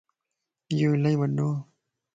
ايو الائي وڊو ا